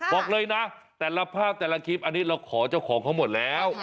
บอกเลยนะแต่ละภาพแต่ละคลิปอันนี้เราขอเจ้าของเขาหมดแล้ว